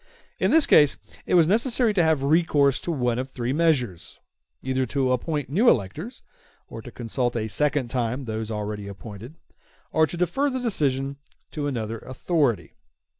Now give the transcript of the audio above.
In this case it was necessary to have recourse to one of three measures; either to appoint new electors, or to consult a second time those already appointed, or to defer the election to another authority.